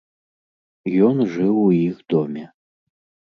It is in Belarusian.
Ён жыў у іх доме.